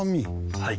はい。